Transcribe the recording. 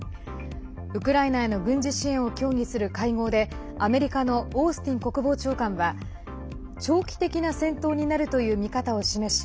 ウクライナへの軍事支援を協議する会合でアメリカのオースティン国防長官は長期的な戦闘になるという見方を示し